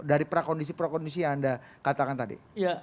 dari prakondisi prakondisi yang anda katakan tadi